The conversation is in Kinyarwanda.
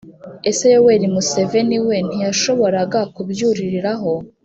ese yoweri museveni we ntiyashoboraga kubyuririraho